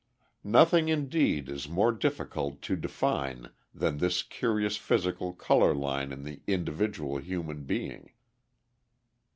Nothing, indeed, is more difficult to define than this curious physical colour line in the individual human being.